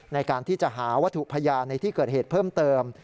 ในการที่จะหาวัตถุพยานในที่เกิดเหตุเพิ่มเติม